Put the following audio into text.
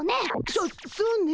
そそうね。